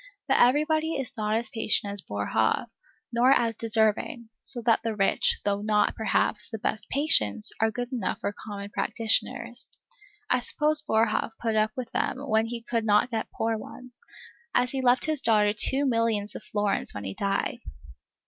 But everybody is not as patient as Boerhaave, nor as deserving; so that the rich, though not, perhaps, the best patients, are good enough for common practitioners. I suppose Boerhaave put up with them when he could not get poor ones, as he left his daughter two millions of florins when he died.